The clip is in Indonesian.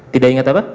tidak ingat apa